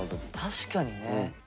確かにね。